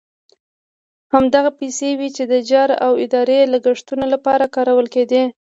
همدغه پیسې وې چې د جاري او اداري لګښتونو لپاره کارول کېدې.